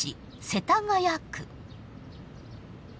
世田谷区。